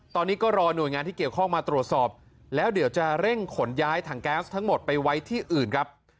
ตอนนี้ก็รอหน่วยงานที่เกี่ยวข้องมาตรวจสอบแล้วเดี๋ยวจะเร่งขนย้ายถังแก๊สทั้งหมดไปไว้ที่อื่นครับ